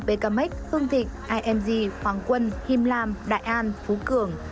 bkmx hương thịnh img hoàng quân him lam đại an phú cường